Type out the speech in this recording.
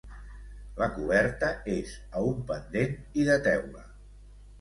La coberta és a un pendent i de teula.